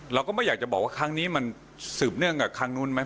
เราก็ไม่อยากจะบอกว่าครั้งนี้มันสืบเนื่องกับครั้งนู้นไหม